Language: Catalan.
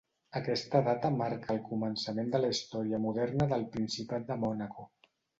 Aquesta data marca el començament de la història moderna del Principat de Mònaco.